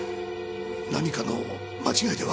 何かの間違いでは？